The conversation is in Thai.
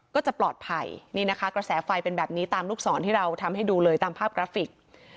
ก็จะปลอดภัยนี่นะคะกระแสไฟเป็นแบบนี้ตามลูกศรที่เราทำให้ดูเลยตามภาพกราฟิก